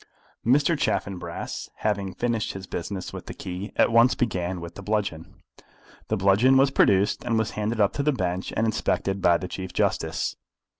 Mr. Chaffanbrass, having finished his business with the key, at once began with the bludgeon. The bludgeon was produced, and was handed up to the bench, and inspected by the Chief Justice.